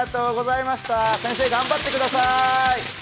先生頑張ってください。